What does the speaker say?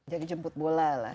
jadi jemput bola lah